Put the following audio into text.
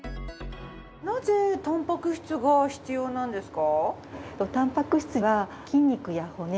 なぜタンパク質が必要なんですか？